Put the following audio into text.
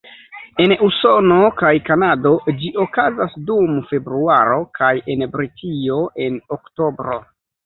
En Usono kaj Kanado ĝi okazas dum februaro, kaj en Britio en oktobro.